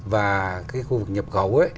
và cái khu vực nhập khẩu